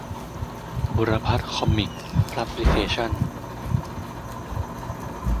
บุรพัฒน์ คอมิคส์ พับลิเคชันส์